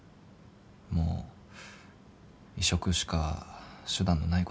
もう移植しか手段のない子でさ。